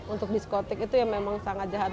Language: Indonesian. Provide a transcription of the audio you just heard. untuk diskotik itu ya memang sangat jahat